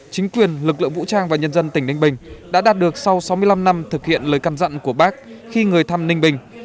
chính quyền lực lượng vũ trang và nhân dân tỉnh ninh bình đã đạt được sau sáu mươi năm năm thực hiện lời căn dặn của bác khi người thăm ninh bình